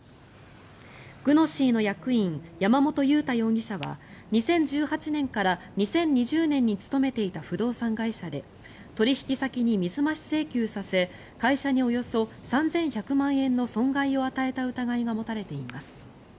Ｇｕｎｏｓｙの役員山本裕太容疑者は２０１８年から２０２０年に勤めていた不動産会社で取引先に水増し請求させ会社におよそ３１００万円の損害を与えた疑いが持たれています。